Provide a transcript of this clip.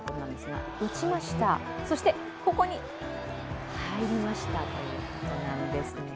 打ちました、そしてここに入りましたということです。